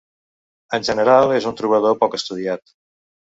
En general, és un trobador poc estudiat.